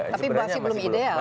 tapi masih belum ideal